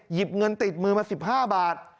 หยิบเงินติดมือมา๑๕บาท